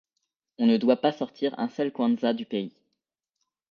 On ne doit pas sortir un seul kwanza du pays.